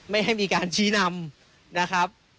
ไม่ให้มีการชี้นำนะครับ